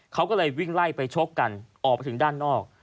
เขาก็เลยวิ่งไล่ไปชกกันออกไปถึงด้านนอก